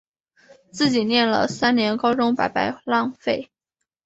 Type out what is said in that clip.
自己念了三年高中白白浪费